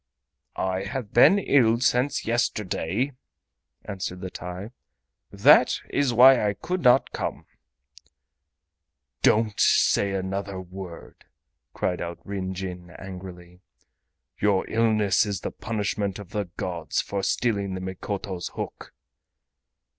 "I have been ill since yesterday," answered the TAI; "that is why I could not come." "Don't say another word!" cried out Ryn Jin angrily. "Your illness is the punishment of the gods for stealing the Mikoto's hook."